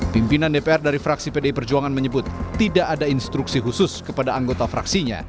pimpinan dpr dari fraksi pdi perjuangan menyebut tidak ada instruksi khusus kepada anggota fraksinya